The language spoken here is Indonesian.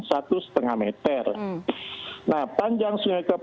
sudah meminta pengerukan